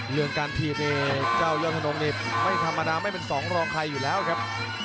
เรื่องการถีบนี่เจ้ายอดธนงนี่ไม่ธรรมดาไม่เป็นสองรองใครอยู่แล้วครับ